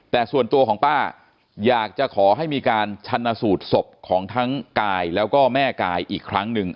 แต่ส่วนตัวของป้าอยากจะขอให้มีการชันสูตรศพของทั้งกายแล้วก็แม่กายอีกครั้งหนึ่ง